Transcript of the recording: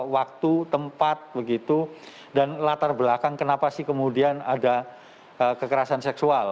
waktu tempat begitu dan latar belakang kenapa sih kemudian ada kekerasan seksual